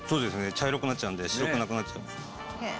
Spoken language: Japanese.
茶色くなっちゃうんで白くなくなっちゃう。